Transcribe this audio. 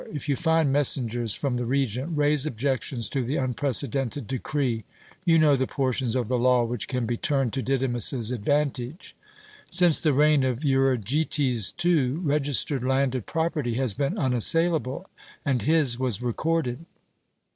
If you find messengers from the Regent, raise objections to the unprecedented decree. You know the portions of the law which can be turned to Didymus's advantage." "Since the reign of Euergetes II, registered landed property has been unassailable, and his was recorded."